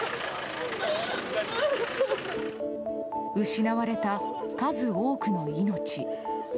失われた、数多くの命。